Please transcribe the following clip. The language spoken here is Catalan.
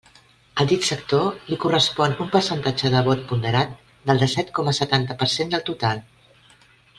Al dit sector li correspon un percentatge de vot ponderat del dèsset coma setanta per cent del total.